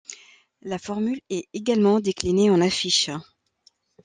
La formule est également déclinée en affiche.